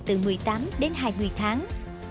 từ một mươi tám đến hai mươi tháng